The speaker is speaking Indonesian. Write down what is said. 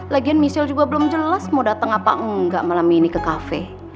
lagian michelle juga belum jelas mau datang apa enggak malam ini ke cafe